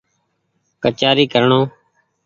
ڪچآري ڪرڻو